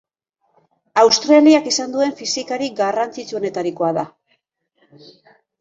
Australiak izan duen fisikari garrantzitsuenetarikoa da.